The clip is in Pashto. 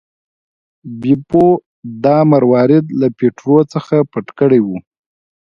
بیپو دا مروارید له پیټرو څخه پټ کړی و.